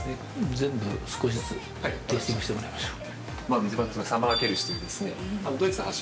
◆全部、少しずつテイステイングしてもらいましょう。